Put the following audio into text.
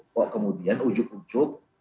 kok kemudian ujuk ujuk